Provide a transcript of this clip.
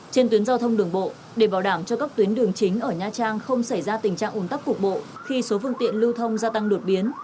trên tuyến giao thông đường bộ để bảo đảm cho các tuyến đường chính ở nha trang không xảy ra tình trạng ủn tắc cục bộ khi số phương tiện lưu thông gia tăng đột biến